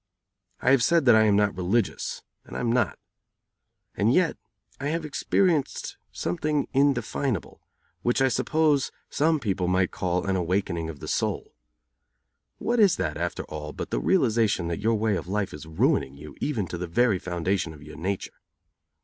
I have said that I am not religious, and I am not. And yet I have experienced something indefinable, which I suppose some people might call an awakening of the soul. What is that, after all, but the realization that your way of life is ruining you even to the very foundation of your nature?